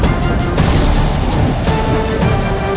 ibu dia ibu dia